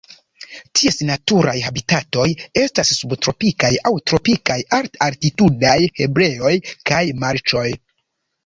Ties naturaj habitatoj estas subtropikaj aŭ tropikaj alt-altitudaj herbejoj kaj marĉoj.